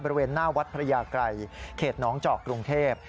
บริเวณหน้าวัดพระยาไกรเขตน้องเจาะกรุงเทพ